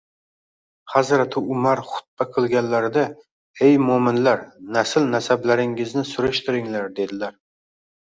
Hazrati Umar xutba qilganlarida: «Ey mo‘minlar, nasl-nasablaringizni surishtiringlar», dedilar